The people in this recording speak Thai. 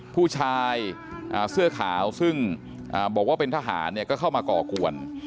ผู้ชายเสื้อขาวซึ่งบอกว่าเป็นทหารก็เข้ามาก่อกวน